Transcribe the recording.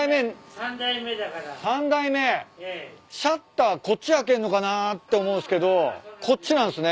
シャッターこっち開けんのかな？って思うんすけどこっちなんすね。